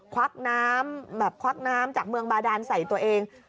ควักน้ำแบบควักน้ำจากเมืองบาดานใส่ตัวเอง